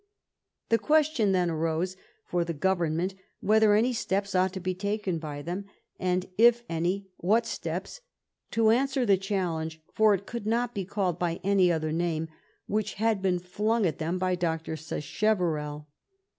The question then arose for the government whether any steps ought to be taken by them^ and, if any, what steps, to answer the challenge — for it could not be called by any other name — which had been flung at them by Dr. Sacheverell.